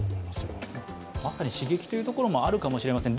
まさに刺激というところもあるかもしれません。